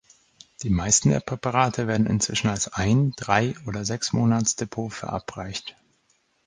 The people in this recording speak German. Die meisten der Präparate werden inzwischen als Ein-, Drei- oder Sechsmonats-Depot verabreicht.